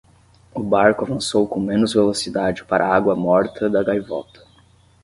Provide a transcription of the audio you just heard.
O barco avançou com menos velocidade para a água morta da gaivota.